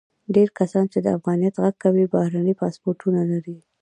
ډیری کسان چې د افغانیت غږ کوي، بهرني پاسپورتونه لري.